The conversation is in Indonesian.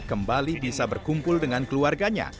kembali bisa berkumpul dengan keluarganya